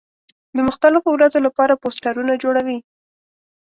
د مختلفو ورځو له پاره پوسټرونه جوړوي.